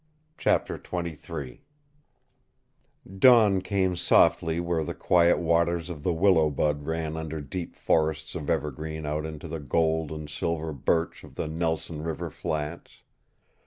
CHAPTER XXIII Dawn came softly where the quiet waters of the Willow Bud ran under deep forests of evergreen out into the gold and silver birch of the Nelson River flats.